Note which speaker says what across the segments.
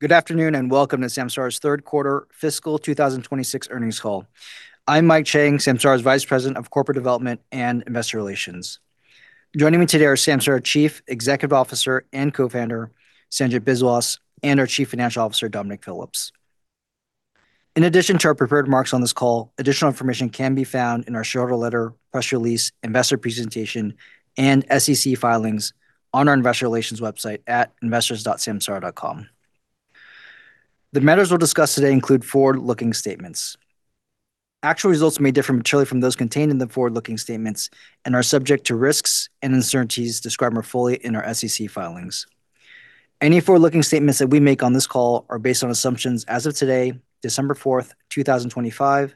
Speaker 1: Good afternoon and welcome to Samsara's Third Quarter Fiscal 2026 Earnings Call. I'm Mike Chang, Samsara's Vice President of Corporate Development and Investor Relations. Joining me today are Samsara's Chief Executive Officer and Co-Founder Sanjit Biswas and our Chief Financial Officer Dominic Phillips. In addition to our prepared remarks on this call, additional information can be found in our shareholder letter, press release, investor presentation, and SEC filings on our investor relations website at investors.samsara.com. The matters we'll discuss today include forward-looking statements. Actual results may differ materially from those contained in the forward-looking statements and are subject to risks and uncertainties described more fully in our SEC filings. Any forward-looking statements that we make on this call are based on assumptions as of today, December 4th, 2025,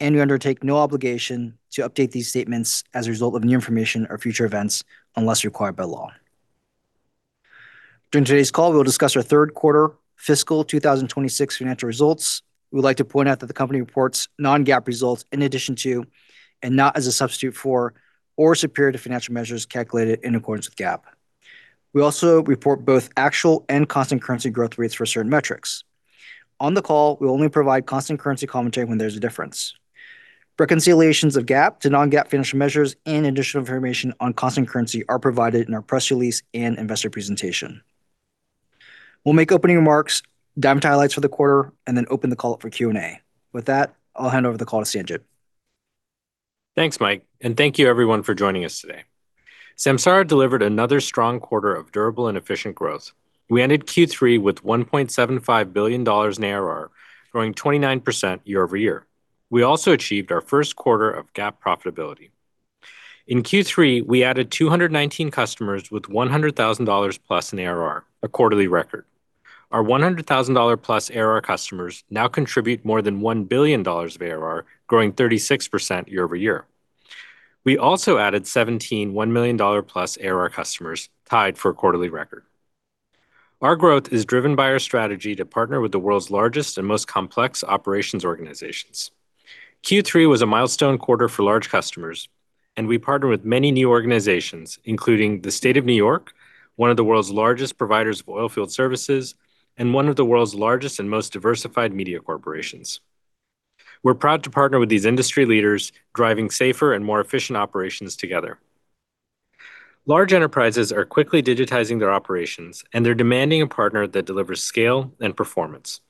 Speaker 1: and we undertake no obligation to update these statements as a result of new information or future events unless required by law. During today's call, we'll discuss our third quarter fiscal 2026 financial results. We would like to point out that the company reports non-GAAP results in addition to, and not as a substitute for, or superior to financial measures calculated in accordance with GAAP. We also report both actual and constant currency growth rates for certain metrics. On the call, we will only provide constant currency commentary when there's a difference. Reconciliations of GAAP to non-GAAP financial measures and additional information on constant currency are provided in our press release and investor presentation. We'll make opening remarks, key highlights for the quarter, and then open the call up for Q&A. With that, I'll hand over the call to Sanjit.
Speaker 2: Thanks, Mike, and thank you everyone for joining us today. Samsara delivered another strong quarter of durable and efficient growth. We ended Q3 with $1.75 billion in ARR, growing 29% year-over-year. We also achieved our first quarter of GAAP profitability. In Q3, we added 219 customers with $100,000 plus in ARR, a quarterly record. Our $100,000 plus ARR customers now contribute more than $1 billion of ARR, growing 36% year-over-year. We also added 17 $1 million plus ARR customers tied for a quarterly record. Our growth is driven by our strategy to partner with the world's largest and most complex operations organizations. Q3 was a milestone quarter for large customers, and we partnered with many new organizations, including the State of New York, one of the world's largest providers of oil field services, and one of the world's largest and most diversified media corporations. We're proud to partner with these industry leaders, driving safer and more efficient operations together. Large enterprises are quickly digitizing their operations, and they're demanding a partner that delivers scale and performance.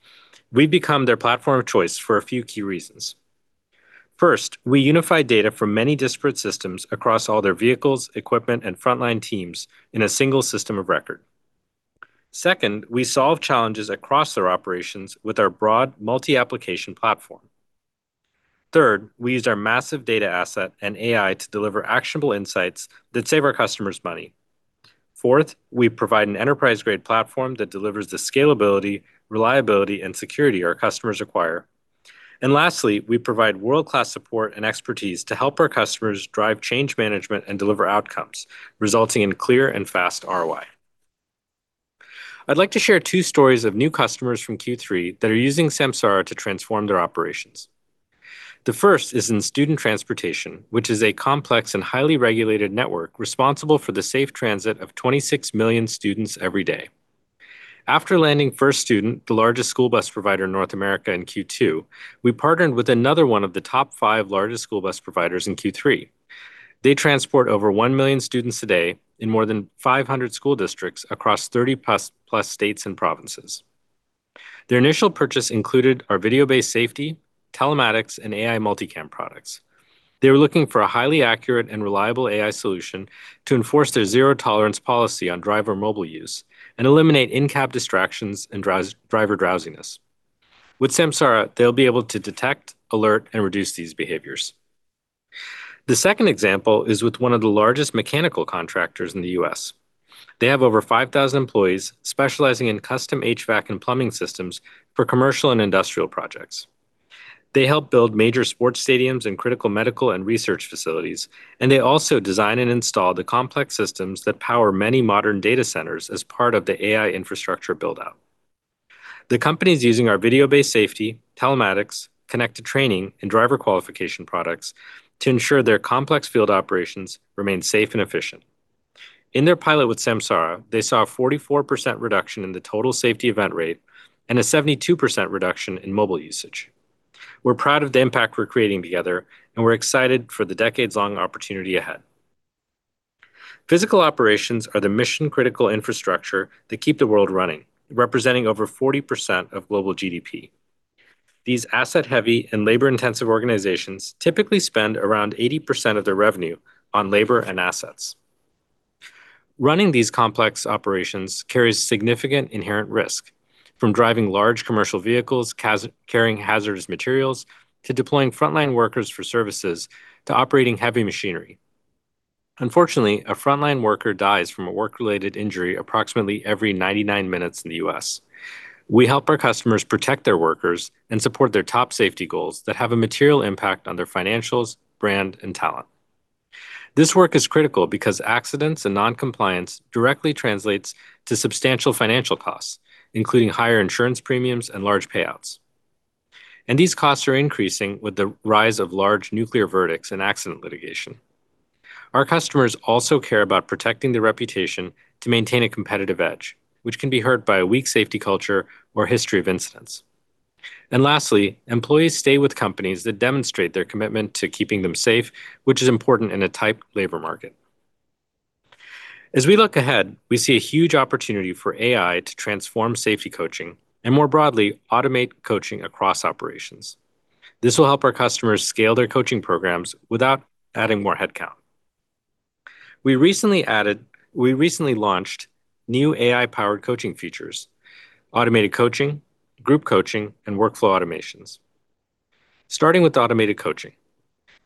Speaker 2: We've become their platform of choice for a few key reasons. First, we unify data from many disparate systems across all their vehicles, equipment, and frontline teams in a single system of record. Second, we solve challenges across their operations with our broad, multi-application platform. Third, we use our massive data asset and AI to deliver actionable insights that save our customers money. Fourth, we provide an enterprise-grade platform that delivers the scalability, reliability, and security our customers require. And lastly, we provide world-class support and expertise to help our customers drive change management and deliver outcomes, resulting in clear and fast ROI. I'd like to share two stories of new customers from Q3 that are using Samsara to transform their operations. The first is in student transportation, which is a complex and highly regulated network responsible for the safe transit of 26 million students every day. After landing First Student, the largest school bus provider in North America in Q2, we partnered with another one of the top five largest school bus providers in Q3. They transport over 1 million students a day in more than 500 school districts across 30-plus states and provinces. Their initial purchase included our Video-Based Safety, Telematics, and AI Multi-Cam products. They were looking for a highly accurate and reliable AI solution to enforce their zero tolerance policy on driver mobile use and eliminate in-cab distractions and driver drowsiness. With Samsara, they'll be able to detect, alert, and reduce these behaviors. The second example is with one of the largest mechanical contractors in the U.S. They have over 5,000 employees specializing in custom HVAC and plumbing systems for commercial and industrial projects. They help build major sports stadiums and critical medical and research facilities, and they also design and install the complex systems that power many modern data centers as part of the AI infrastructure build-out. The company is using our video-based safety, telematics, connected training, and driver qualification products to ensure their complex field operations remain safe and efficient. In their pilot with Samsara, they saw a 44% reduction in the total safety event rate and a 72% reduction in mobile usage. We're proud of the impact we're creating together, and we're excited for the decades-long opportunity ahead. Physical operations are the mission-critical infrastructure that keep the world running, representing over 40% of global GDP. These asset-heavy and labor-intensive organizations typically spend around 80% of their revenue on labor and assets. Running these complex operations carries significant inherent risk, from driving large commercial vehicles carrying hazardous materials to deploying frontline workers for services to operating heavy machinery. Unfortunately, a frontline worker dies from a work-related injury approximately every 99 minutes in the U.S. We help our customers protect their workers and support their top safety goals that have a material impact on their financials, brand, and talent. This work is critical because accidents and non-compliance directly translate to substantial financial costs, including higher insurance premiums and large payouts. These costs are increasing with the rise of large nuclear verdicts and accident litigation. Our customers also care about protecting their reputation to maintain a competitive edge, which can be hurt by a weak safety culture or history of incidents. And lastly, employees stay with companies that demonstrate their commitment to keeping them safe, which is important in a tight labor market. As we look ahead, we see a huge opportunity for AI to transform safety coaching and, more broadly, automate coaching across operations. This will help our customers scale their coaching programs without adding more headcount. We recently launched new AI-powered coaching features: automated coaching, group coaching, and workflow automations. Starting with automated coaching,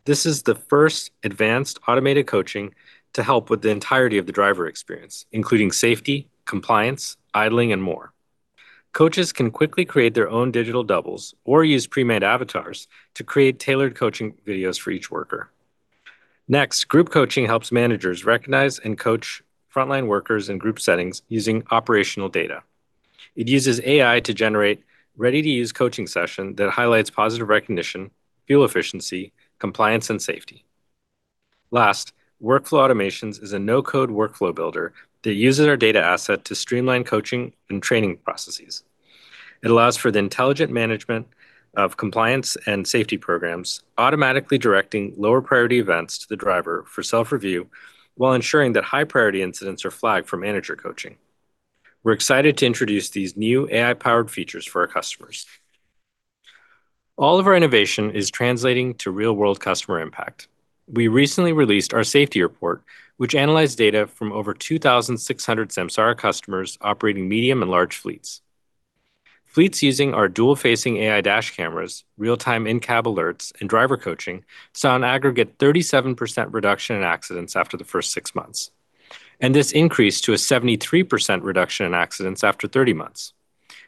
Speaker 2: this is the first advanced automated coaching to help with the entirety of the driver experience, including safety, compliance, idling, and more. Coaches can quickly create their own digital doubles or use pre-made avatars to create tailored coaching videos for each worker. Next, group coaching helps managers recognize and coach frontline workers in group settings using operational data. It uses AI to generate ready-to-use coaching sessions that highlight positive recognition, fuel efficiency, compliance, and safety. Last, Workflow Automations is a no-code workflow builder that uses our data asset to streamline coaching and training processes. It allows for the intelligent management of compliance and safety programs, automatically directing lower-priority events to the driver for self-review while ensuring that high-priority incidents are flagged for manager coaching. We're excited to introduce these new AI-powered features for our customers. All of our innovation is translating to real-world customer impact. We recently released our safety report, which analyzed data from over 2,600 Samsara customers operating medium and large fleets. Fleets using our dual-facing AI Dash Cameras, real-time in-cab alerts, and driver coaching saw an aggregate 37% reduction in accidents after the first six months, and this increased to a 73% reduction in accidents after 30 months.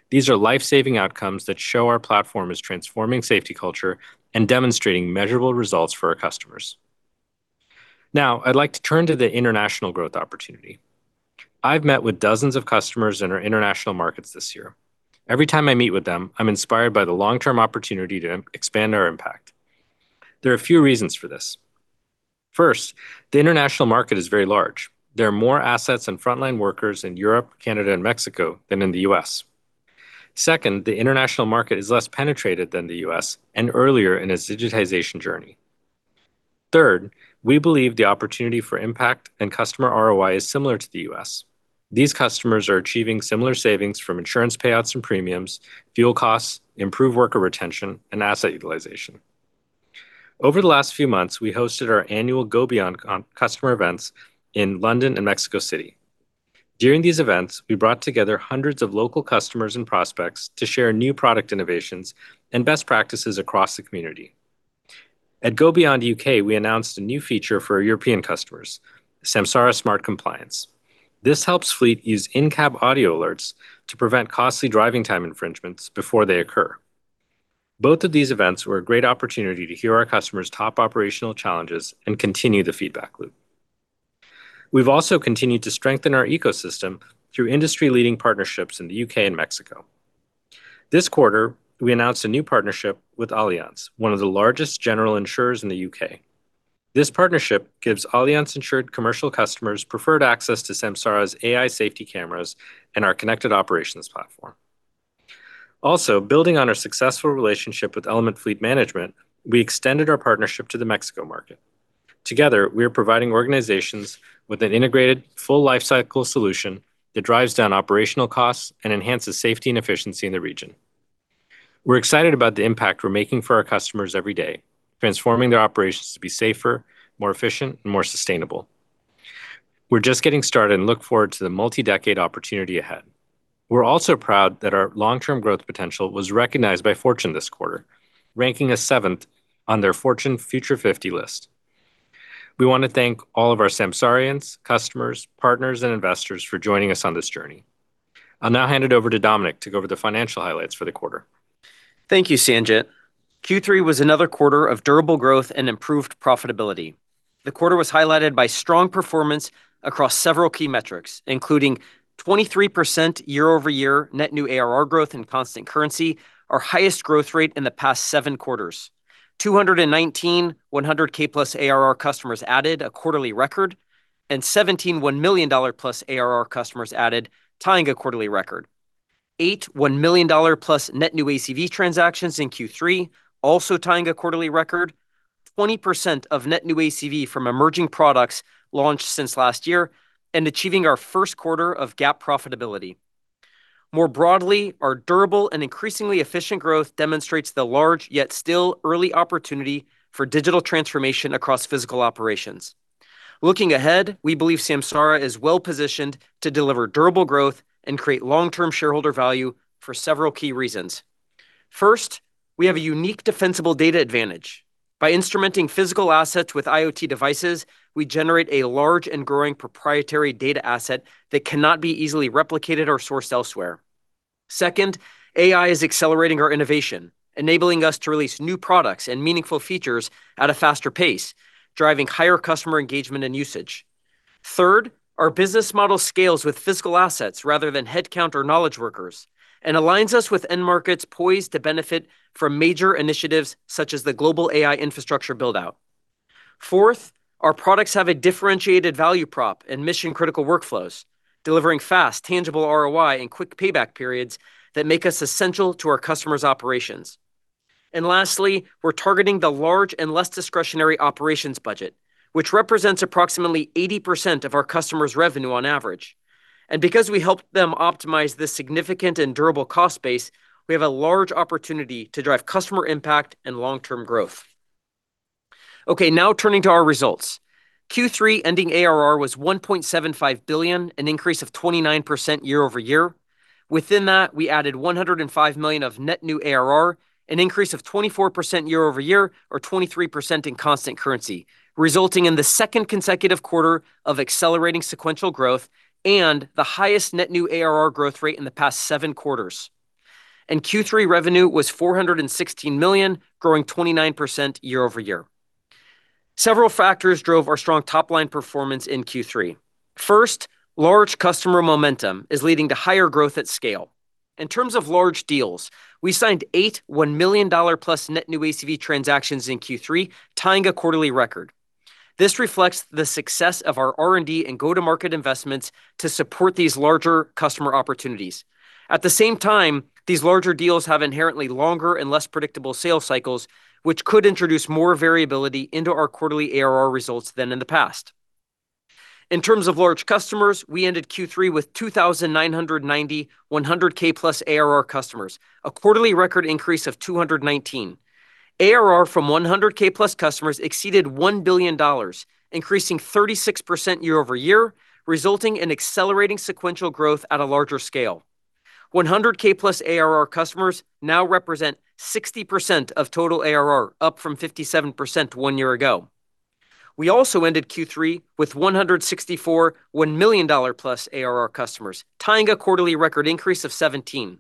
Speaker 2: These are life-saving outcomes that show our platform is transforming safety culture and demonstrating measurable results for our customers. Now, I'd like to turn to the international growth opportunity. I've met with dozens of customers in our international markets this year. Every time I meet with them, I'm inspired by the long-term opportunity to expand our impact. There are a few reasons for this. First, the international market is very large. There are more assets and frontline workers in Europe, Canada, and Mexico than in the U.S. Second, the international market is less penetrated than the U.S. and earlier in its digitization journey. Third, we believe the opportunity for impact and customer ROI is similar to the U.S. These customers are achieving similar savings from insurance payouts and premiums, fuel costs, improved worker retention, and asset utilization. Over the last few months, we hosted our annual Go Beyond customer events in London and Mexico City. During these events, we brought together hundreds of local customers and prospects to share new product innovations and best practices across the community. At Go Beyond UK, we announced a new feature for our European customers, Samsara Smart Compliance. This helps fleet use in-cab audio alerts to prevent costly driving time infringements before they occur. Both of these events were a great opportunity to hear our customers' top operational challenges and continue the feedback loop. We've also continued to strengthen our ecosystem through industry-leading partnerships in the U.K. and Mexico. This quarter, we announced a new partnership with Allianz, one of the largest general insurers in the U.K. This partnership gives Allianz-insured commercial customers preferred access to Samsara's AI safety cameras and our connected operations platform. Also, building on our successful relationship with Element Fleet Management, we extended our partnership to the Mexico market. Together, we are providing organizations with an integrated full-life cycle solution that drives down operational costs and enhances safety and efficiency in the region. We're excited about the impact we're making for our customers every day, transforming their operations to be safer, more efficient, and more sustainable. We're just getting started and look forward to the multi-decade opportunity ahead. We're also proud that our long-term growth potential was recognized by Fortune this quarter, ranking a seventh on their Fortune Future 50 list. We want to thank all of our Samsarians, customers, partners, and investors for joining us on this journey. I'll now hand it over to Dominic to go over the financial highlights for the quarter.
Speaker 3: Thank you, Sanjit. Q3 was another quarter of durable growth and improved profitability. The quarter was highlighted by strong performance across several key metrics, including 23% year-over-year net new ARR growth in constant currency, our highest growth rate in the past seven quarters, 219 100K plus ARR customers added, a quarterly record, and 17 $1 million plus ARR customers added, tying a quarterly record, 8 $1 million plus net new ACV transactions in Q3, also tying a quarterly record, 20% of net new ACV from emerging products launched since last year, and achieving our first quarter of GAAP profitability. More broadly, our durable and increasingly efficient growth demonstrates the large yet still early opportunity for digital transformation across physical operations. Looking ahead, we believe Samsara is well-positioned to deliver durable growth and create long-term shareholder value for several key reasons. First, we have a unique defensible data advantage. By instrumenting physical assets with IoT devices, we generate a large and growing proprietary data asset that cannot be easily replicated or sourced elsewhere. Second, AI is accelerating our innovation, enabling us to release new products and meaningful features at a faster pace, driving higher customer engagement and usage. Third, our business model scales with physical assets rather than headcount or knowledge workers and aligns us with end markets poised to benefit from major initiatives such as the global AI infrastructure build-out. Fourth, our products have a differentiated value prop and mission-critical workflows, delivering fast, tangible ROI and quick payback periods that make us essential to our customers' operations. And lastly, we're targeting the large and less discretionary operations budget, which represents approximately 80% of our customers' revenue on average. Because we help them optimize this significant and durable cost base, we have a large opportunity to drive customer impact and long-term growth. Okay, now turning to our results. Q3 ending ARR was $1.75 billion, an increase of 29% year-over-year. Within that, we added $105 million of net new ARR, an increase of 24% year-over-year or 23% in constant currency, resulting in the second consecutive quarter of accelerating sequential growth and the highest net new ARR growth rate in the past seven quarters. Q3 revenue was $416 million, growing 29% year-over-year. Several factors drove our strong top-line performance in Q3. First, large customer momentum is leading to higher growth at scale. In terms of large deals, we signed eight $1 million plus net new ACV transactions in Q3, tying a quarterly record. This reflects the success of our R&D and go-to-market investments to support these larger customer opportunities. At the same time, these larger deals have inherently longer and less predictable sales cycles, which could introduce more variability into our quarterly ARR results than in the past. In terms of large customers, we ended Q3 with 2,990 100K plus ARR customers, a quarterly record increase of 219. ARR from 100K plus customers exceeded $1 billion, increasing 36% year-over-year, resulting in accelerating sequential growth at a larger scale. 100K plus ARR customers now represent 60% of total ARR, up from 57% one year ago. We also ended Q3 with 164 $1 million plus ARR customers, tying a quarterly record increase of 17.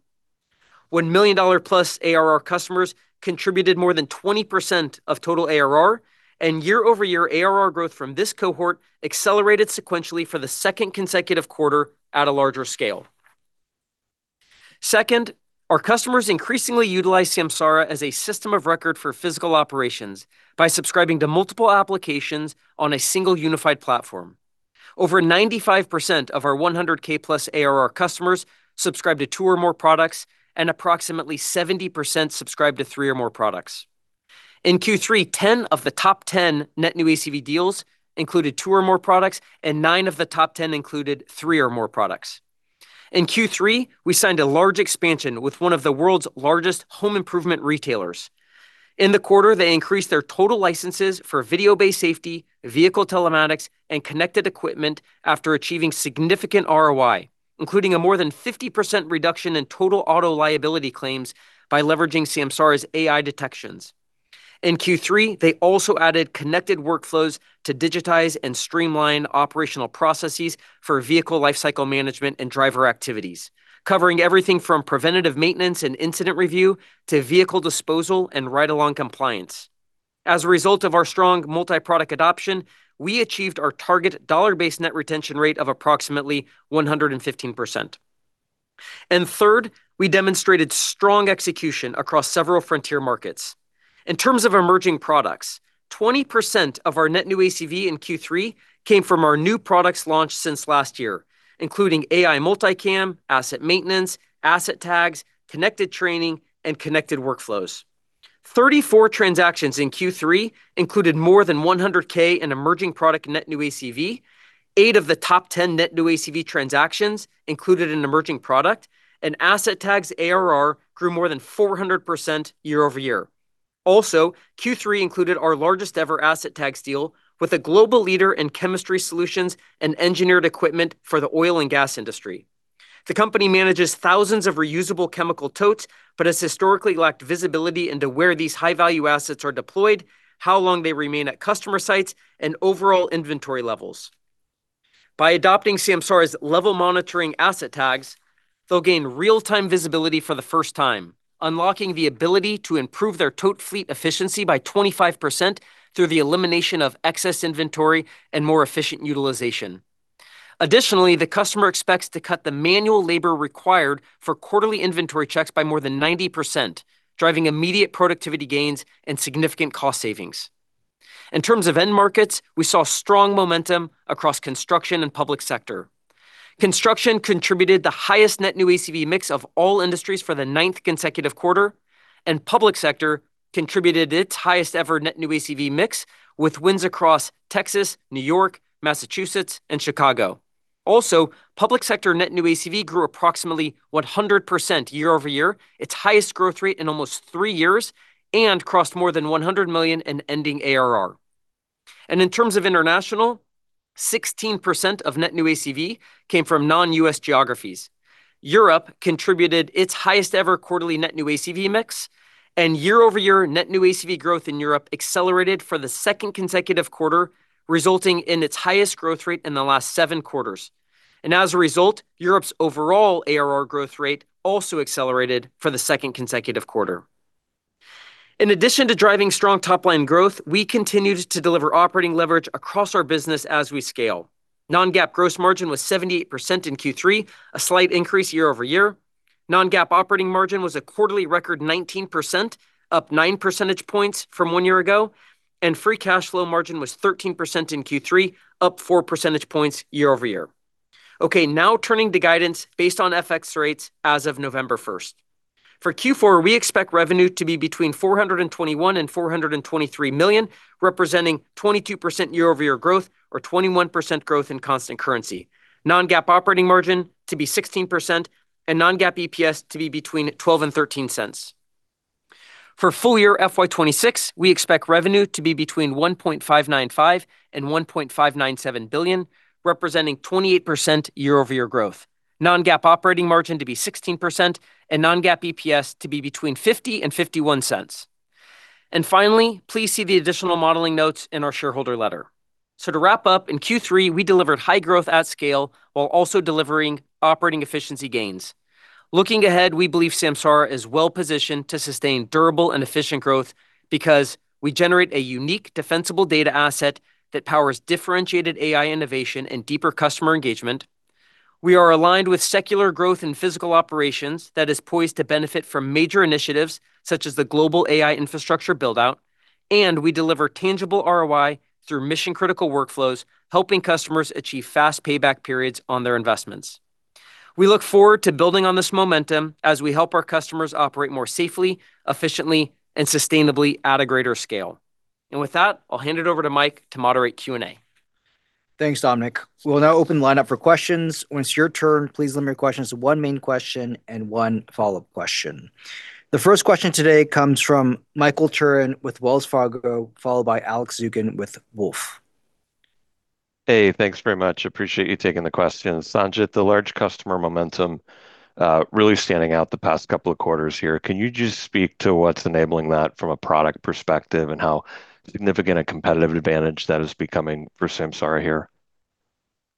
Speaker 3: $1 million plus ARR customers contributed more than 20% of total ARR, and year-over-year ARR growth from this cohort accelerated sequentially for the second consecutive quarter at a larger scale. Second, our customers increasingly utilize Samsara as a system of record for physical operations by subscribing to multiple applications on a single unified platform. Over 95% of our 100K plus ARR customers subscribe to two or more products, and approximately 70% subscribe to three or more products. In Q3, 10 of the top 10 net new ACV deals included two or more products, and nine of the top 10 included three or more products. In Q3, we signed a large expansion with one of the world's largest home improvement retailers. In the quarter, they increased their total licenses for video-based safety, vehicle telematics, and connected equipment after achieving significant ROI, including a more than 50% reduction in total auto liability claims by leveraging Samsara's AI detections. In Q3, they also added connected workflows to digitize and streamline operational processes for vehicle lifecycle management and driver activities, covering everything from preventative maintenance and incident review to vehicle disposal and ride-along compliance. As a result of our strong multi-product adoption, we achieved our target dollar-based net retention rate of approximately 115%. And third, we demonstrated strong execution across several frontier markets. In terms of emerging products, 20% of our net new ACV in Q3 came from our new products launched since last year, including AI Multi-Cam, asset maintenance, Asset Tags, Connected Training, and Connected Workflows. 34 transactions in Q3 included more than 100K in emerging product net new ACV. Eight of the top 10 net new ACV transactions included an emerging product, and Asset Tags ARR grew more than 400% year-over-year. Also, Q3 included our largest-ever asset tags deal with a global leader in chemistry solutions and engineered equipment for the oil and gas industry. The company manages thousands of reusable chemical totes, but has historically lacked visibility into where these high-value assets are deployed, how long they remain at customer sites, and overall inventory levels. By adopting Samsara's level monitoring asset tags, they'll gain real-time visibility for the first time, unlocking the ability to improve their tote fleet efficiency by 25% through the elimination of excess inventory and more efficient utilization. Additionally, the customer expects to cut the manual labor required for quarterly inventory checks by more than 90%, driving immediate productivity gains and significant cost savings. In terms of end markets, we saw strong momentum across construction and public sector. Construction contributed the highest net new ACV mix of all industries for the ninth consecutive quarter, and public sector contributed its highest-ever net new ACV mix with wins across Texas, New York, Massachusetts, and Chicago. Also, public sector net new ACV grew approximately 100% year-over-year, its highest growth rate in almost three years, and crossed more than $100 million in ending ARR, and in terms of international, 16% of net new ACV came from non-U.S. geographies. Europe contributed its highest-ever quarterly net new ACV mix, and year-over-year net new ACV growth in Europe accelerated for the second consecutive quarter, resulting in its highest growth rate in the last seven quarters, and as a result, Europe's overall ARR growth rate also accelerated for the second consecutive quarter. In addition to driving strong top-line growth, we continued to deliver operating leverage across our business as we scale. Non-GAAP gross margin was 78% in Q3, a slight increase year-over-year. Non-GAAP operating margin was a quarterly record 19%, up 9 percentage points from one year ago, and free cash flow margin was 13% in Q3, up 4 percentage points year-over-year. Okay, now turning to guidance based on FX rates as of November 1st. For Q4, we expect revenue to be between $421 million and $423 million, representing 22% year-over-year growth or 21% growth in constant currency. Non-GAAP operating margin to be 16%, and non-GAAP EPS to be between $0.12 and $0.13. For full year FY26, we expect revenue to be between $1.595 billion and $1.597 billion, representing 28% year-over-year growth. Non-GAAP operating margin to be 16%, and non-GAAP EPS to be between $0.50 and $0.51, and finally, please see the additional modeling notes in our shareholder letter. To wrap up, in Q3, we delivered high growth at scale while also delivering operating efficiency gains. Looking ahead, we believe Samsara is well-positioned to sustain durable and efficient growth because we generate a unique defensible data asset that powers differentiated AI innovation and deeper customer engagement. We are aligned with secular growth in physical operations that is poised to benefit from major initiatives such as the global AI infrastructure build-out, and we deliver tangible ROI through mission-critical workflows, helping customers achieve fast payback periods on their investments. We look forward to building on this momentum as we help our customers operate more safely, efficiently, and sustainably at a greater scale. With that, I'll hand it over to Mike to moderate Q&A.
Speaker 1: Thanks, Dominic. We'll now open the lineup for questions. When it's your turn, please limit your questions to one main question and one follow-up question. The first question today comes from Michael Turrin with Wells Fargo, followed by Alex Zukin with Wolfe.
Speaker 4: Hey, thanks very much. Appreciate you taking the question. Sanjit, the large customer momentum really standing out the past couple of quarters here. Can you just speak to what's enabling that from a product perspective and how significant a competitive advantage that is becoming for Samsara here?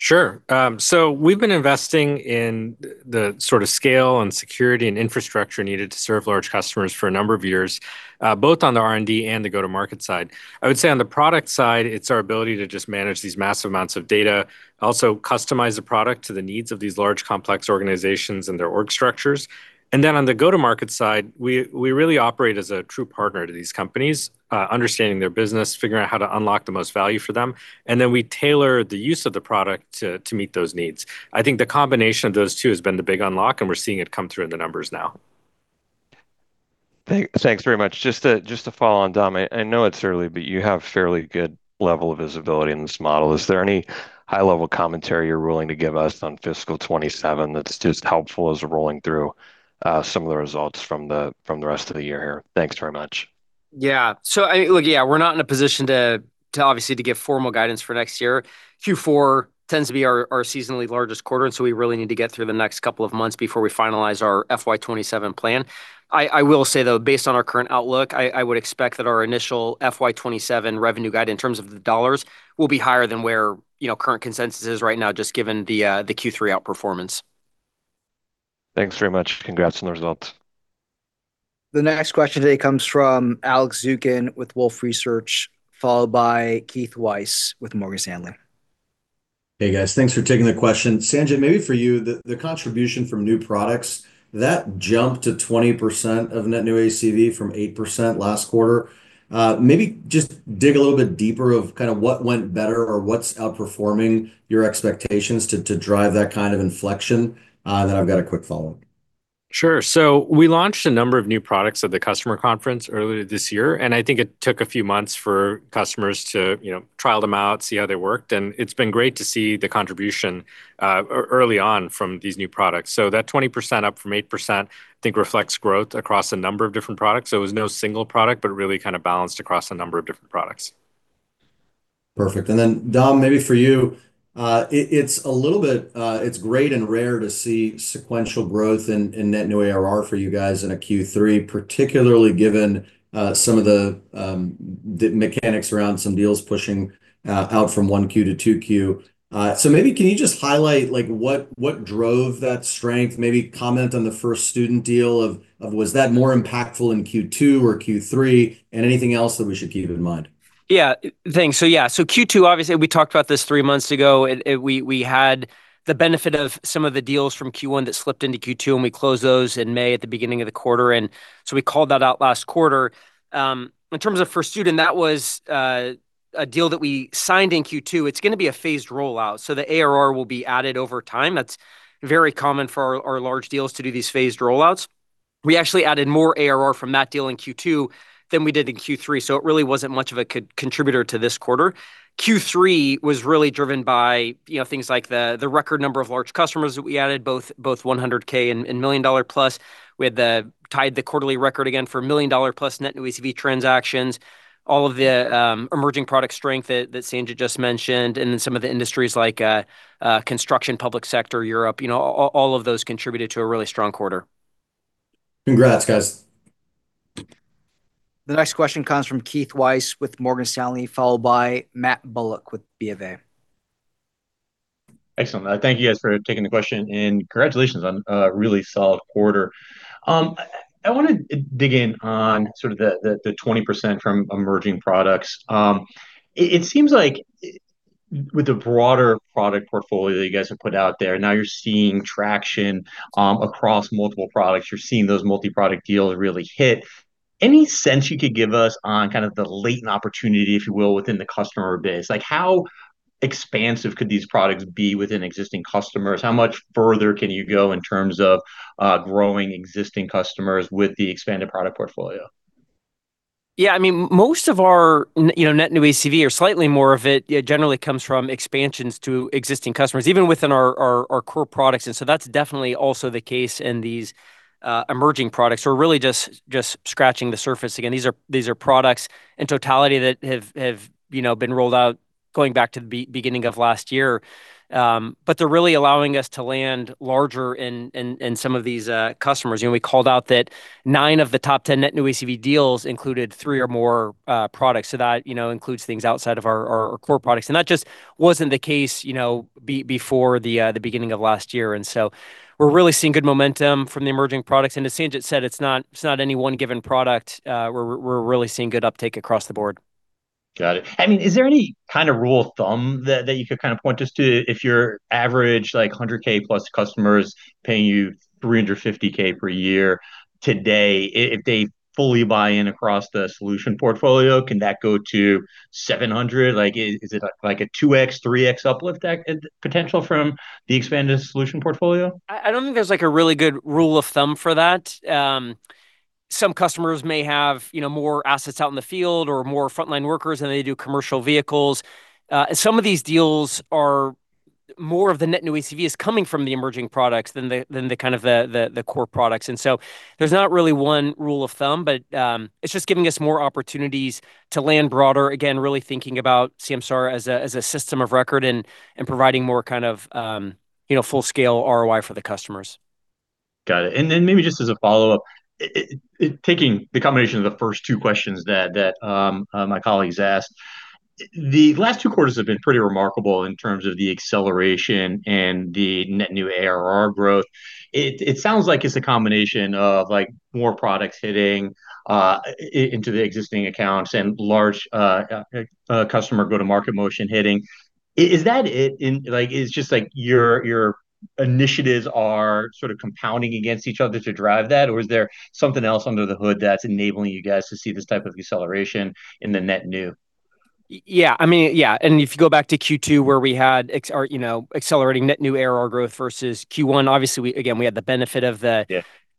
Speaker 2: Sure. So we've been investing in the sort of scale and security and infrastructure needed to serve large customers for a number of years, both on the R&D and the go-to-market side. I would say on the product side, it's our ability to just manage these massive amounts of data, also customize the product to the needs of these large complex organizations and their org structures. And then on the go-to-market side, we really operate as a true partner to these companies, understanding their business, figuring out how to unlock the most value for them, and then we tailor the use of the product to meet those needs. I think the combination of those two has been the big unlock, and we're seeing it come through in the numbers now.
Speaker 4: Thanks very much. Just to follow on, Dom, I know it's early, but you have fairly good level of visibility in this model. Is there any high-level commentary you're willing to give us on fiscal 2027 that's just helpful as we're rolling through some of the results from the rest of the year here? Thanks very much.
Speaker 3: Yeah. So I mean, look, yeah, we're not in a position to obviously give formal guidance for next year. Q4 tends to be our seasonally largest quarter, and so we really need to get through the next couple of months before we finalize our FY27 plan. I will say, though, based on our current outlook, I would expect that our initial FY27 revenue guide in terms of the dollars will be higher than where current consensus is right now, just given the Q3 outperformance.
Speaker 4: Thanks very much. Congrats on the results.
Speaker 1: The next question today comes from Alex Zukin with Wolfe Research, followed by Keith Weiss with Morgan Stanley.
Speaker 5: Hey, guys. Thanks for taking the question. Sanjit, maybe for you, the contribution from new products, that jump to 20% of net new ACV from 8% last quarter. Maybe just dig a little bit deeper of kind of what went better or what's outperforming your expectations to drive that kind of inflection, and then I've got a quick follow-up.
Speaker 2: Sure. So we launched a number of new products at the customer conference earlier this year, and I think it took a few months for customers to trial them out, see how they worked, and it's been great to see the contribution early on from these new products. So that 20% up from 8%, I think, reflects growth across a number of different products. So it was no single product, but really kind of balanced across a number of different products.
Speaker 5: Perfect. And then, Dom, maybe for you, it's a little bit great and rare to see sequential growth in net new ARR for you guys in a Q3, particularly given some of the mechanics around some deals pushing out from 1Q to 2Q. So maybe can you just highlight what drove that strength? Maybe comment on the First Student deal. Was that more impactful in Q2 or Q3? And anything else that we should keep in mind?
Speaker 3: Yeah. Thanks. So yeah, so Q2, obviously, we talked about this three months ago. We had the benefit of some of the deals from Q1 that slipped into Q2, and we closed those in May at the beginning of the quarter. And so we called that out last quarter. In terms of First Student, that was a deal that we signed in Q2. It's going to be a phased rollout, so the ARR will be added over time. That's very common for our large deals to do these phased rollouts. We actually added more ARR from that deal in Q2 than we did in Q3, so it really wasn't much of a contributor to this quarter. Q3 was really driven by things like the record number of large customers that we added, both 100K and million-dollar-plus. We had tied the quarterly record again for million-dollar-plus net new ACV transactions, all of the emerging product strength that Sanjit just mentioned, and then some of the industries like construction, public sector, Europe. All of those contributed to a really strong quarter.
Speaker 5: Congrats, guys.
Speaker 1: The next question comes from Keith Weiss with Morgan Stanley, followed by Matt Bullock with BofA.
Speaker 6: Excellent. Thank you, guys, for taking the question, and congratulations on a really solid quarter. I want to dig in on sort of the 20% from emerging products. It seems like with the broader product portfolio that you guys have put out there, now you're seeing traction across multiple products. You're seeing those multi-product deals really hit. Any sense you could give us on kind of the latent opportunity, if you will, within the customer base? How expansive could these products be within existing customers? How much further can you go in terms of growing existing customers with the expanded product portfolio?
Speaker 3: Yeah. I mean, most of our net new ACV, or slightly more of it, generally comes from expansions to existing customers, even within our core products. And so that's definitely also the case in these emerging products. We're really just scratching the surface. Again, these are products in totality that have been rolled out going back to the beginning of last year, but they're really allowing us to land larger in some of these customers. We called out that nine of the top 10 net new ACV deals included three or more products. So that includes things outside of our core products. And that just wasn't the case before the beginning of last year. And so we're really seeing good momentum from the emerging products. And as Sanjit said, it's not any one given product. We're really seeing good uptake across the board.
Speaker 6: Got it. I mean, is there any kind of rule of thumb that you could kind of point us to? If your average $100K-plus customers paying you $350K per year today, if they fully buy in across the solution portfolio, can that go to $700K? Is it like a 2x, 3x uplift potential from the expanded solution portfolio?
Speaker 3: I don't think there's a really good rule of thumb for that. Some customers may have more assets out in the field or more frontline workers, and they do commercial vehicles. Some of these deals are more of the net new ACV is coming from the emerging products than the kind of the core products. And so there's not really one rule of thumb, but it's just giving us more opportunities to land broader, again, really thinking about Samsara as a system of record and providing more kind of full-scale ROI for the customers.
Speaker 6: Got it. And then maybe just as a follow-up, taking the combination of the first two questions that my colleagues asked, the last two quarters have been pretty remarkable in terms of the acceleration and the net new ARR growth. It sounds like it's a combination of more products hitting into the existing accounts and large customer go-to-market motion hitting. Is that it? It's just like your initiatives are sort of compounding against each other to drive that, or is there something else under the hood that's enabling you guys to see this type of acceleration in the net new?
Speaker 3: Yeah. I mean, yeah. And if you go back to Q2, where we had accelerating net new ARR growth versus Q1, obviously, again, we had the benefit of the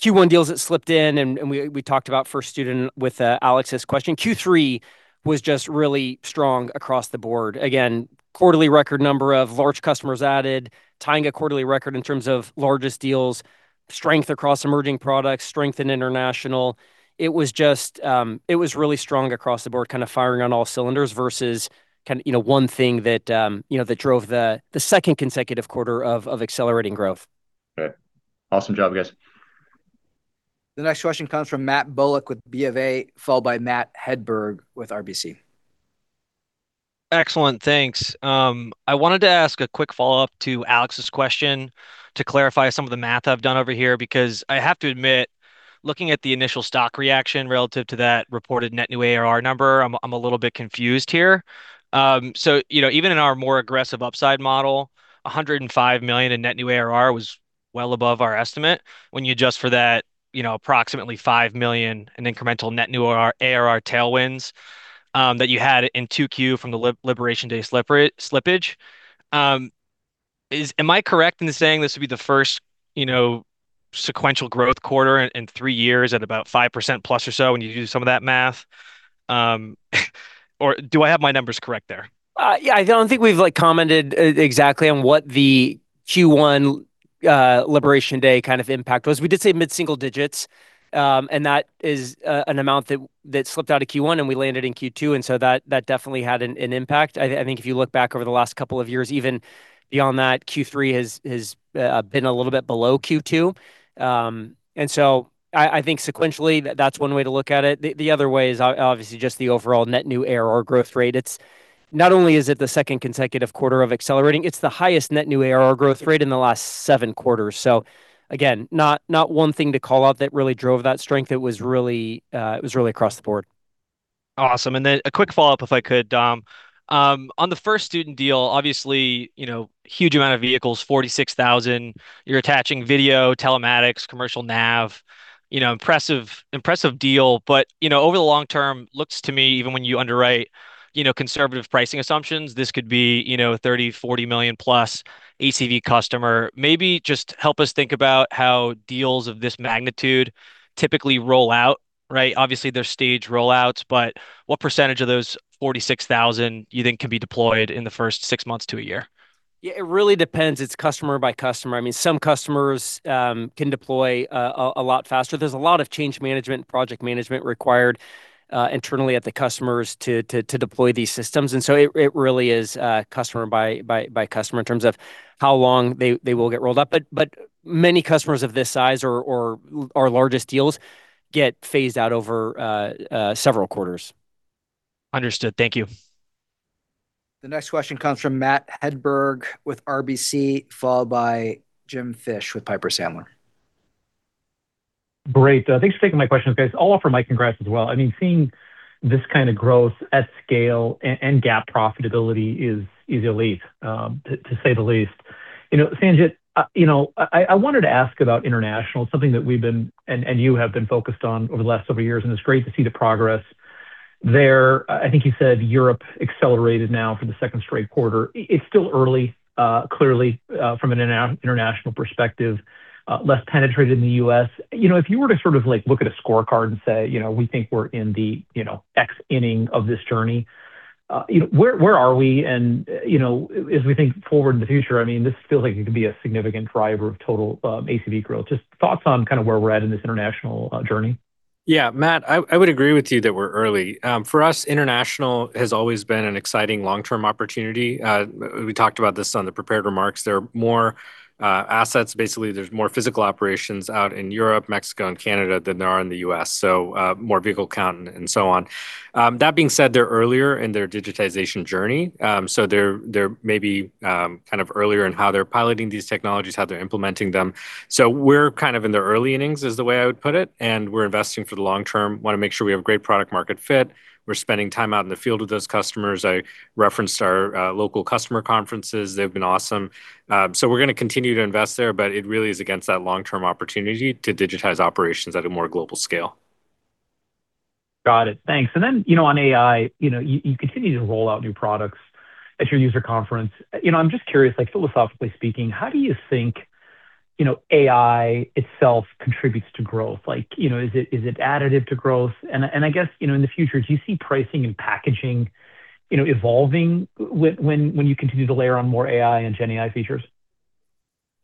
Speaker 3: Q1 deals that slipped in, and we talked about First Student with Alex's question. Q3 was just really strong across the board. Again, quarterly record number of large customers added, tying a quarterly record in terms of largest deals, strength across emerging products, strength in international. It was really strong across the board, kind of firing on all cylinders versus kind of one thing that drove the second consecutive quarter of accelerating growth.
Speaker 6: Okay. Awesome job, guys.
Speaker 1: The next question comes from Matt Bullock with BofA, followed by Matt Hedberg with RBC.
Speaker 7: Excellent. Thanks. I wanted to ask a quick follow-up to Alex's question to clarify some of the math I've done over here because I have to admit, looking at the initial stock reaction relative to that reported net new ARR number, I'm a little bit confused here. So even in our more aggressive upside model, 105 million in net new ARR was well above our estimate when you adjust for that approximately 5 million in incremental net new ARR tailwinds that you had in 2Q from the liberation day slippage. Am I correct in saying this would be the first sequential growth quarter in three years at about 5% plus or so when you do some of that math? Or do I have my numbers correct there?
Speaker 3: Yeah. I don't think we've commented exactly on what the Q1 liberation day kind of impact was. We did say mid-single-digits, and that is an amount that slipped out of Q1, and we landed in Q2. And so that definitely had an impact. I think if you look back over the last couple of years, even beyond that, Q3 has been a little bit below Q2. And so I think sequentially, that's one way to look at it. The other way is obviously just the overall net new ARR growth rate. Not only is it the second consecutive quarter of accelerating, it's the highest net new ARR growth rate in the last seven quarters. So again, not one thing to call out that really drove that strength. It was really across the board.
Speaker 7: Awesome. And then a quick follow-up, if I could. On the First Student deal, obviously, huge amount of vehicles, 46,000. You're attaching video, telematics, commercial nav. Impressive deal. But over the long term, looks to me, even when you underwrite conservative pricing assumptions, this could be 30-40 million-plus ACV customer. Maybe just help us think about how deals of this magnitude typically roll out, right? Obviously, there's staged rollouts, but what percentage of those 46,000 you think can be deployed in the first six months to a year?
Speaker 3: Yeah. It really depends. It's customer by customer. I mean, some customers can deploy a lot faster. There's a lot of change management and project management required internally at the customers to deploy these systems. And so it really is customer by customer in terms of how long they will get rolled up. But many customers of this size or our largest deals get phased out over several quarters.
Speaker 7: Understood. Thank you.
Speaker 1: The next question comes from Matt Hedberg with RBC, followed by Jim Fish with Piper Sandler.
Speaker 8: Great. Thanks for taking my questions, guys. All of them, congrats as well. I mean, seeing this kind of growth at scale and GAAP profitability is elite, to say the least. Sanjit, I wanted to ask about international, something that we've been and you have been focused on over the last several years, and it's great to see the progress there. I think you said Europe accelerated now for the second straight quarter. It's still early, clearly, from an international perspective, less penetrated in the U.S. If you were to sort of look at a scorecard and say, "We think we're in the X inning of this journey," where are we? And as we think forward in the future, I mean, this feels like it could be a significant driver of total ACV growth. Just thoughts on kind of where we're at in this international journey?
Speaker 2: Yeah. Matt, I would agree with you that we're early. For us, international has always been an exciting long-term opportunity. We talked about this on the prepared remarks. There are more assets. Basically, there's more physical operations out in Europe, Mexico, and Canada than there are in the U.S., so more vehicle count and so on. That being said, they're earlier in their digitization journey. So they're maybe kind of earlier in how they're piloting these technologies, how they're implementing them. So we're kind of in the early innings, is the way I would put it, and we're investing for the long term. Want to make sure we have great product-market fit. We're spending time out in the field with those customers. I referenced our local customer conferences. They've been awesome. So we're going to continue to invest there, but it really is against that long-term opportunity to digitize operations at a more global scale.
Speaker 8: Got it. Thanks. And then on AI, you continue to roll out new products at your user conference. I'm just curious, philosophically speaking, how do you think AI itself contributes to growth? Is it additive to growth? And I guess in the future, do you see pricing and packaging evolving when you continue to layer on more AI and GenAI features?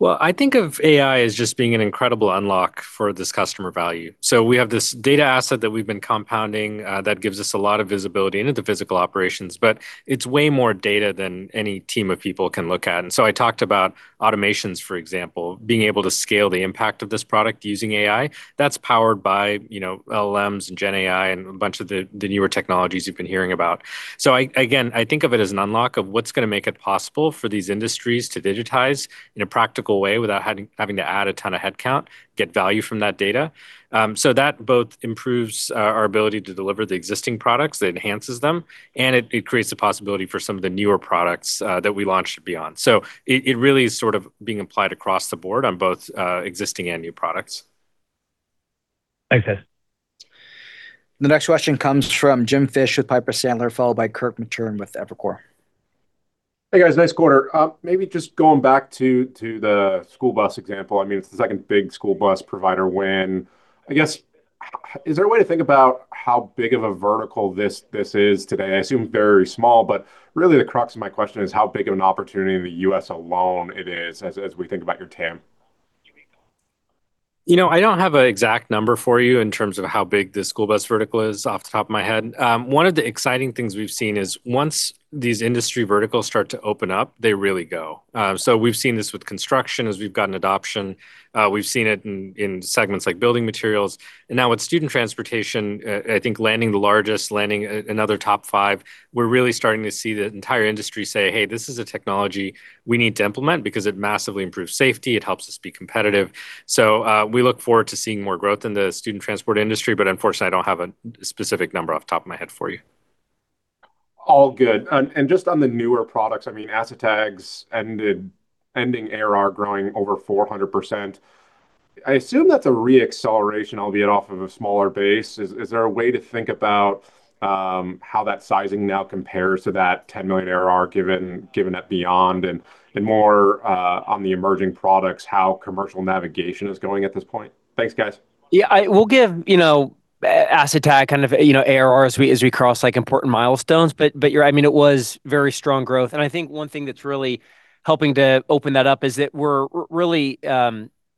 Speaker 2: I think of AI as just being an incredible unlock for this customer value. So we have this data asset that we've been compounding that gives us a lot of visibility into the physical operations, but it's way more data than any team of people can look at. And so I talked about automations, for example, being able to scale the impact of this product using AI. That's powered by LLMs and GenAI and a bunch of the newer technologies you've been hearing about. So again, I think of it as an unlock of what's going to make it possible for these industries to digitize in a practical way without having to add a ton of headcount, get value from that data. So that both improves our ability to deliver the existing products, it enhances them, and it creates the possibility for some of the newer products that we launched to be on. So it really is sort of being applied across the board on both existing and new products.
Speaker 8: Thanks, guys.
Speaker 1: The next question comes from Jim Fish with Piper Sandler, followed by Kirk Materne with Evercore.
Speaker 9: Hey, guys. Nice quarter. Maybe just going back to the school bus example, I mean, it's the second big school bus provider win. I guess, is there a way to think about how big of a vertical this is today? I assume very small, but really the crux of my &uestion is how big of an opportunity in the US alone it is as we think about your TAM?
Speaker 2: I don't have an exact number for you in terms of how big this school bus vertical is off the top of my head. One of the exciting things we've seen is once these industry verticals start to open up, they really go. So we've seen this with construction as we've gotten adoption. We've seen it in segments like building materials. And now with student transportation, I think landing the largest, landing another top five, we're really starting to see the entire industry say, "Hey, this is a technology we need to implement because it massively improves safety. It helps us be competitive." So we look forward to seeing more growth in the student transport industry, but unfortunately, I don't have a specific number off the top of my head for you.
Speaker 9: All good. And just on the newer products, I mean, Asset Tags' ending ARR growing over 400%. I assume that's a re-acceleration, albeit off of a smaller base. Is there a way to think about how that sizing now compares to that 10 million ARR given that beyond and more on the emerging products, how commercial navigation is going at this point? Thanks, guys.
Speaker 3: Yeah. We'll give Asset Tag kind of ARR as we cross important milestones, but yeah, I mean, it was very strong growth. And I think one thing that's really helping to open that up is that we're really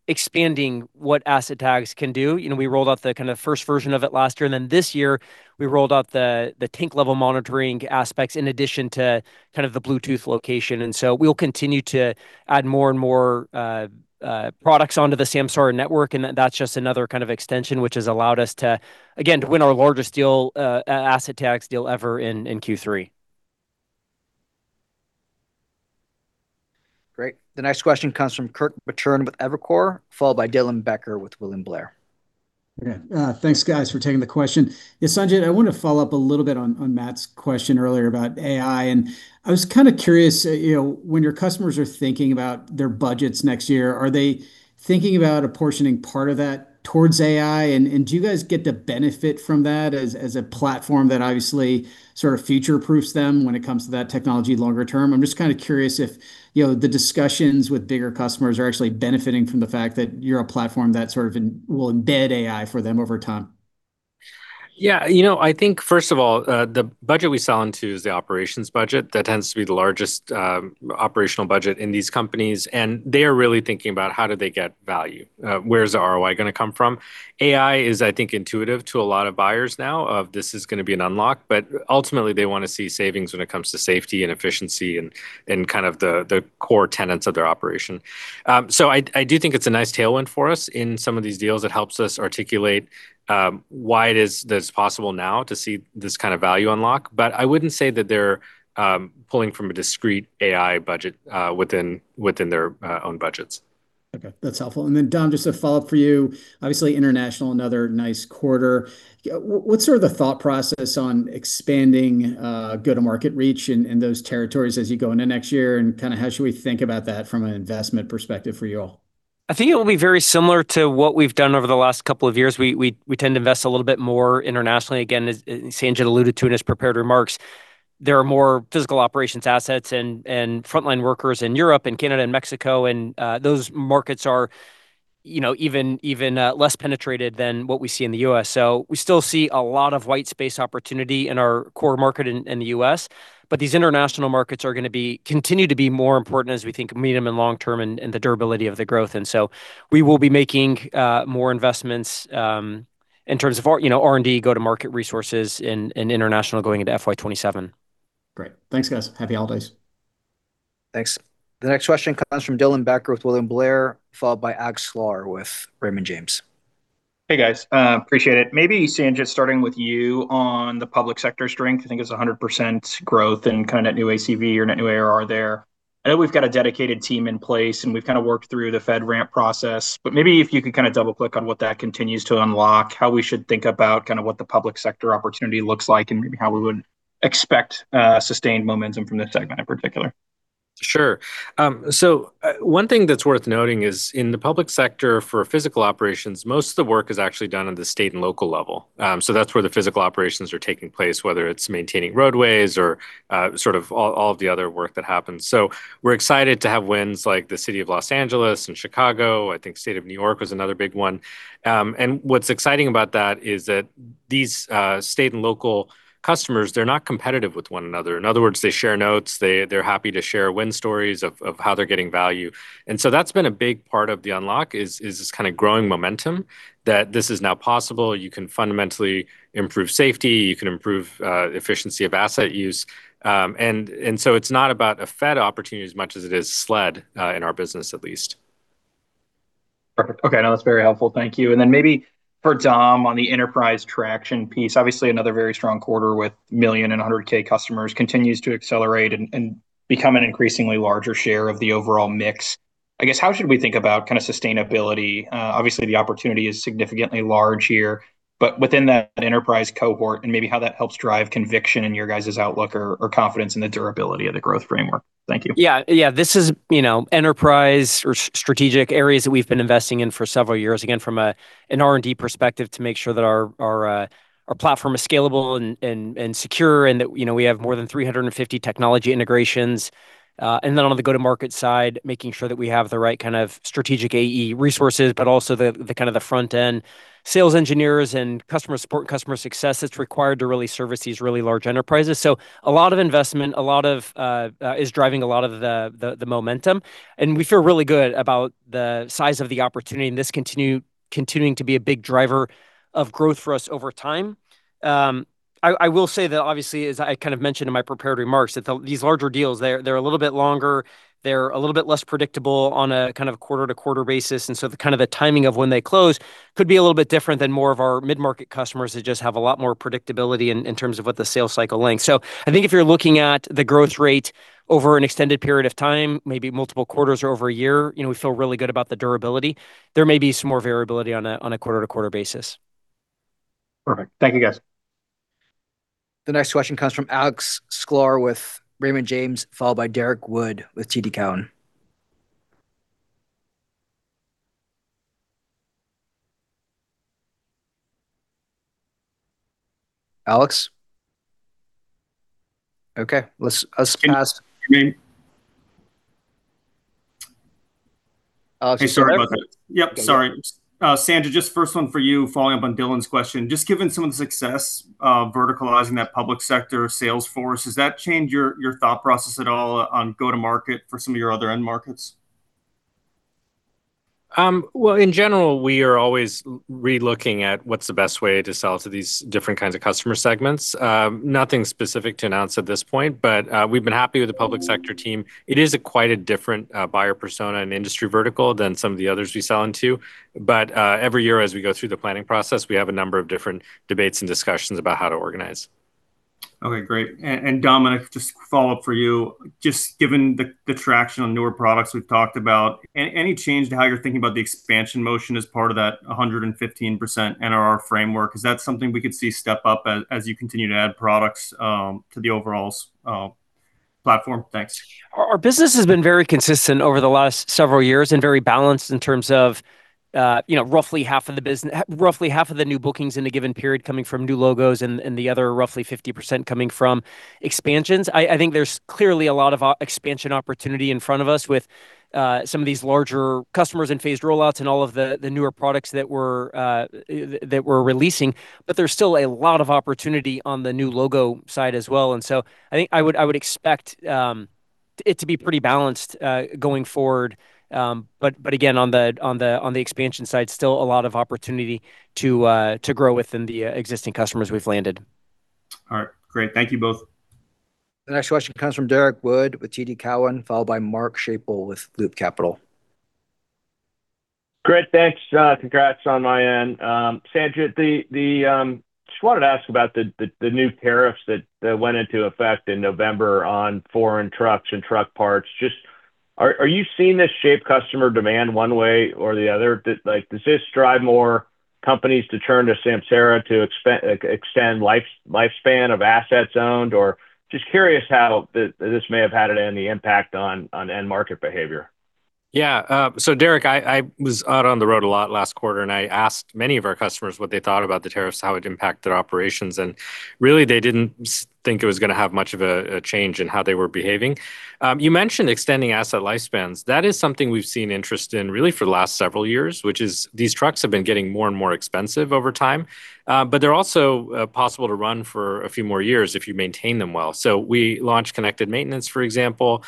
Speaker 3: expanding what Asset Tag's can do. We rolled out the kind of first version of it last year, and then this year, we rolled out the tank-level monitoring aspects in addition to kind of the Bluetooth location. And so we'll continue to add more and more products onto the Samsara network, and that's just another kind of extension, which has allowed us to, again, win our largest deal, Asset Tag's deal ever in Q3.
Speaker 9: Great.
Speaker 1: The next question comes from Kirk Materne with Evercore, followed by Dylan Becker with William Blair.
Speaker 10: Thanks, guys, for taking the question. Sanjit, I want to follow up a little bit on Matt's question earlier about AI. And I was kind of curious, when your customers are thinking about their budgets next year, are they thinking about apportioning part of that towards AI? And do you guys get to benefit from that as a platform that obviously sort of future-proofs them when it comes to that technology longer term? I'm just kind of curious if the discussions with bigger customers are actually benefiting from the fact that you're a platform that sort of will embed AI for them over time.
Speaker 2: Yeah. I think, first of all, the budget we sell into is the operations budget. That tends to be the largest operational budget in these companies. And they are really thinking about how do they get value. Where's the ROI going to come from? AI is, I think, intuitive to a lot of buyers now of this is going to be an unlock, but ultimately, they want to see savings when it comes to safety and efficiency and kind of the core tenets of their operation. So I do think it's a nice tailwind for us in some of these deals. It helps us articulate why it is that it's possible now to see this kind of value unlock. But I wouldn't say that they're pulling from a discrete AI budget within their own budgets.
Speaker 10: Okay. That's helpful. And then, Dom, just a follow-up for you. Obviously, international, another nice quarter. What's sort of the thought process on expanding go-to-market reach in those territories as you go into next year? And kind of how should we think about that from an investment perspective for you all?
Speaker 3: I think it will be very similar to what we've done over the last couple of years. We tend to invest a little bit more internationally. Again, Sanjit alluded to in his prepared remarks, there are more physical operations assets and frontline workers in Europe and Canada and Mexico. And those markets are even less penetrated than what we see in the U.S. So we still see a lot of white space opportunity in our core market in the U.S. But these international markets are going to continue to be more important as we think medium and long term and the durability of the growth. And so we will be making more investments in terms of R&D, go-to-market resources, and international going into FY27.
Speaker 10: Great. Thanks, guys. Happy holidays.
Speaker 1: Thanks. The next question comes from Dylan Becker with William Blair, followed by Alex Sklar with Raymond James.
Speaker 11: Hey, guys. Appreciate it. Maybe, Sanjit, starting with you on the public sector strength. I think it's 100% growth and kind of net new ACV or net new ARR there. I know we've got a dedicated team in place, and we've kind of worked through the FedRAMP process. But maybe if you could kind of double-click on what that continues to unlock, how we should think about kind of what the public sector opportunity looks like, and maybe how we would expect sustained momentum from this segment in particular.
Speaker 2: Sure. So one thing that's worth noting is in the public sector for physical operations, most of the work is actually done on the state and local level. So that's where the physical operations are taking place, whether it's maintaining roadways or sort of all of the other work that happens. So we're excited to have wins like the city of Los Angeles and Chicago. I think the state of New York was another big one. And what's exciting about that is that these state and local customers, they're not competitive with one another. In other words, they share notes. They're happy to share win stories of how they're getting value. And so that's been a big part of the unlock is this kind of growing momentum that this is now possible. You can fundamentally improve safety. You can improve efficiency of asset use. And so it's not about a Fed opportunity as much as it is SLED in our business, at least.
Speaker 11: Perfect. Okay. No, that's very helpful. Thank you. And then maybe for Dom on the enterprise traction piece, obviously another very strong quarter with 1 million and 100K customers continues to accelerate and become an increasingly larger share of the overall mix. I guess, how should we think about kind of sustainability? Obviously, the opportunity is significantly large here, but within that enterprise cohort and maybe how that helps drive conviction in your guys' outlook or confidence in the durability of the growth framework. Thank you.
Speaker 3: Yeah. Yeah. This is enterprise or strategic areas that we've been investing in for several years, again, from an R&D perspective to make sure that our platform is scalable and secure and that we have more than 350 technology integrations. And then on the go-to-market side, making sure that we have the right kind of strategic AE resources, but also the kind of front-end sales engineers and customer support and customer success that's required to really service these really large enterprises. So a lot of investment is driving a lot of the momentum. And we feel really good about the size of the opportunity and this continuing to be a big driver of growth for us over time. I will say that, obviously, as I kind of mentioned in my prepared remarks, that these larger deals, they're a little bit longer. They're a little bit less predictable on a kind of quarter-to-quarter basis. And so the kind of timing of when they close could be a little bit different than more of our mid-market customers that just have a lot more predictability in terms of what the sales cycle length. So I think if you're looking at the growth rate over an extended period of time, maybe multiple quarters or over a year, we feel really good about the durability. There may be some more variability on a quarter-to-quarter basis.
Speaker 11: Perfect. Thank you, guys.
Speaker 1: The next question comes from Alex Sklar with Raymond James, followed by Derrick Wood with TD Cowen. Alex? Okay. Let's pass.
Speaker 12: Hey, sorry about that. Yep. Sorry. Sanjit, just first one for you, following up on Dylan's question. Just given some of the success verticalizing that public sector sales force, has that changed your thought process at all on go-to-market for some of your other end markets?
Speaker 2: In general, we are always relooking at what's the best way to sell to these different kinds of customer segments. Nothing specific to announce at this point, but we've been happy with the public sector team. It is quite a different buyer persona and industry vertical than some of the others we sell into. But every year, as we go through the planning process, we have a number of different debates and discussions about how to organize.
Speaker 12: Okay. Great. And Dom, just a follow-up for you. Just given the traction on newer products we've talked about, any change to how you're thinking about the expansion motion as part of that 115% NRR framework? Is that something we could see step up as you continue to add products to the overall platform? Thanks.
Speaker 3: Our business has been very consistent over the last several years and very balanced in terms of roughly half of the new bookings in a given period coming from new logos and the other roughly 50% coming from expansions. I think there's clearly a lot of expansion opportunity in front of us with some of these larger customers and phased rollouts and all of the newer products that we're releasing. But there's still a lot of opportunity on the new logo side as well. And so I think I would expect it to be pretty balanced going forward. But again, on the expansion side, still a lot of opportunity to grow within the existing customers we've landed.
Speaker 12: All right. Great. Thank you both.
Speaker 1: The next question comes from Derrick Wood with TD Cowen, followed by Mark Schapel with Loop Capital.
Speaker 13: Great. Thanks. Congrats on my end. Sanjit, just wanted to ask about the new tariffs that went into effect in November on foreign trucks and truck parts. Just are you seeing this shape customer demand one way or the other? Does this drive more companies to turn to Samsara to extend lifespan of assets owned? Or just curious how this may have had any impact on end market behavior.
Speaker 2: Yeah. So Derrick, I was out on the road a lot last quarter, and I asked many of our customers what they thought about the tariffs, how it impacted operations. And really, they didn't think it was going to have much of a change in how they were behaving. You mentioned extending asset lifespans. That is something we've seen interest in really for the last several years, which is these trucks have been getting more and more expensive over time, but they're also possible to run for a few more years if you maintain them well. So we launched connected maintenance, for example.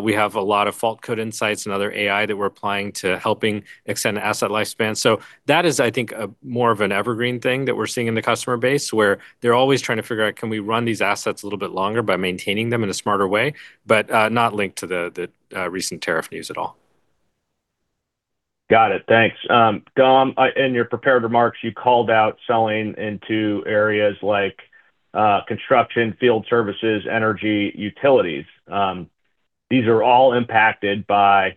Speaker 2: We have a lot of fault code insights and other AI that we're applying to helping extend asset lifespans. That is, I think, more of an evergreen thing that we're seeing in the customer base where they're always trying to figure out, can we run these assets a little bit longer by maintaining them in a smarter way, but not linked to the recent tariff news at all.
Speaker 13: Got it. Thanks. Dom, in your prepared remarks, you called out selling into areas like construction, field services, energy, utilities. These are all impacted by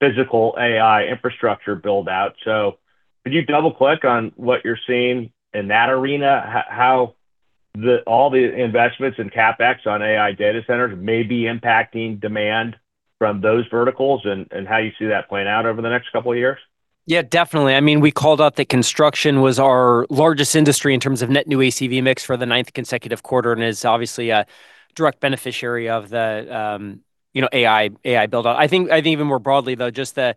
Speaker 13: physical AI infrastructure build-out. So could you double-click on what you're seeing in that arena? How all the investments and CapEx on AI data centers may be impacting demand from those verticals and how you see that playing out over the next couple of years?
Speaker 3: Yeah, definitely. I mean, we called out that construction was our largest industry in terms of net new ACV mix for the ninth consecutive quarter and is obviously a direct beneficiary of the AI build-out. I think even more broadly, though, just the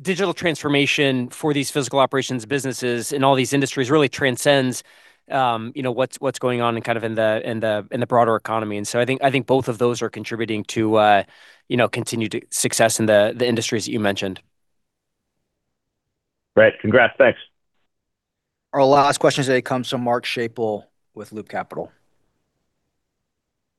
Speaker 3: digital transformation for these physical operations businesses in all these industries really transcends what's going on kind of in the broader economy, and so I think both of those are contributing to continued success in the industries that you mentioned.
Speaker 13: Great. Congrats. Thanks.
Speaker 1: Our last question today comes from Mark Schapel with Loop Capital.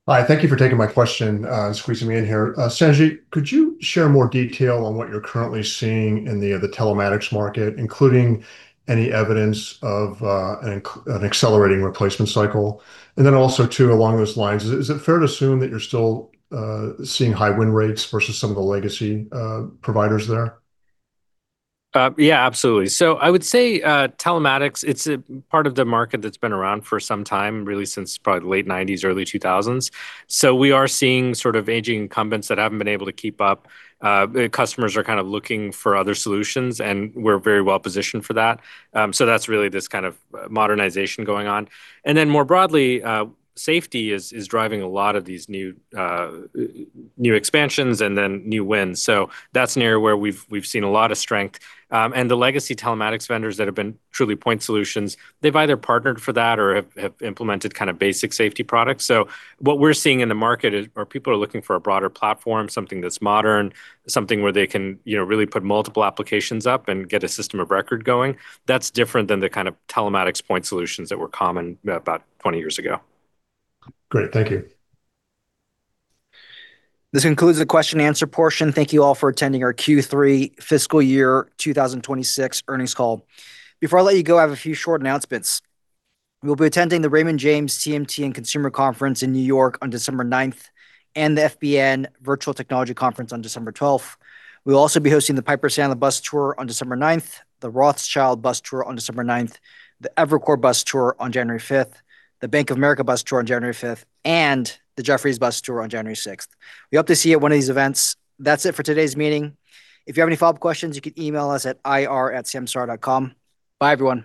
Speaker 14: Hi. Thank you for taking my question and squeezing me in here. Sanjit, could you share more detail on what you're currently seeing in the telematics market, including any evidence of an accelerating replacement cycle? And then also too, along those lines, is it fair to assume that you're still seeing high win rates versus some of the legacy providers there?
Speaker 2: Yeah, absolutely. So I would say telematics, it's part of the market that's been around for some time, really since probably the late 1990s, early 2000s. So we are seeing sort of aging incumbents that haven't been able to keep up. Customers are kind of looking for other solutions, and we're very well positioned for that. So that's really this kind of modernization going on. And then more broadly, safety is driving a lot of these new expansions and then new wins. So that's an area where we've seen a lot of strength. And the legacy telematics vendors that have been truly point solutions, they've either partnered for that or have implemented kind of basic safety products. So, what we're seeing in the market is where people are looking for a broader platform, something that's modern, something where they can really put multiple applications up and get a system of record going. That's different than the kind of telematics point solutions that were common about 20 years ago.
Speaker 14: Great. Thank you.
Speaker 1: This concludes the question-and-answer portion. Thank you all for attending our Q3 fiscal year 2026 earnings call. Before I let you go, I have a few short announcements. We'll be attending the Raymond James TMT and Consumer Conference in New York on December 9th and the FBN Virtual Technology Conference on December 12th. We'll also be hosting the Piper Santa bus tour on December 9th, the Rothschild bus tour on December 9th, the Evercore bus tour on January 5th, the Bank of America bus tour on January 5th, and the Jefferies bus tour on January 6th. We hope to see you at one of these events. That's it for today's meeting. If you have any follow-up questions, you can email us at ir@samsara.com. Bye everyone.